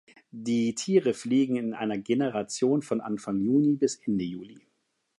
Die Tiere fliegen in einer Generation von Anfang Juni bis Ende Juli.